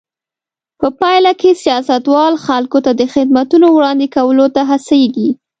په پایله کې سیاستوال خلکو ته د خدمتونو وړاندې کولو ته هڅېږي.